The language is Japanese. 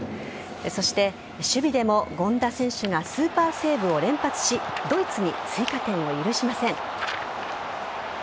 そして守備でも権田選手がスーパーセーブを連発しドイツに追加点を許しません。